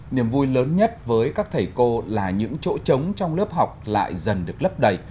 niềm vui lớn nhất với các thầy cô là những chỗ trống trong lớp học lại dần được lấp đầy